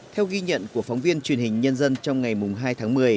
theo ghi nhận của phóng viên truyền hình nhân dân trong ngày hai tháng một mươi